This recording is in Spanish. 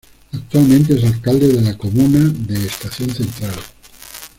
Actualmente es alcalde de la comuna de Estación Central.